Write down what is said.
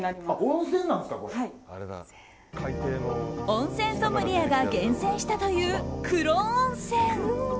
温泉ソムリエが厳選したという黒温泉。